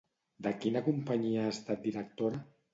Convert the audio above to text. De quina companyia ha estat directora?